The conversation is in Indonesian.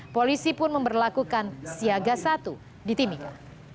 polisi pun memperlakukan siaga satu di tim mimika